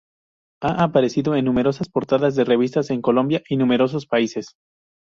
Ha aparecido en numerosas portadas de revistas en Colombia y numerosos países.